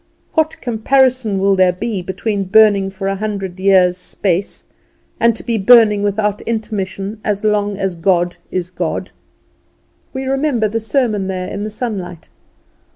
What comparison will there be between burning for a hundred years' space and to be burning without intermission as long as God is God!" We remember the sermon there in the sunlight.